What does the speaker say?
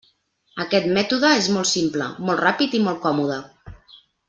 Aquest mètode és molt simple, molt ràpid i molt còmode.